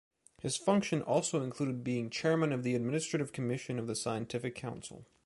His function also included being chairman of the Administrative Commission of the Scientific Council.